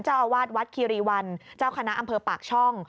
เจ้าอาวาสวัดคีรีวันเจ้าคณะอำเภอปากช่อง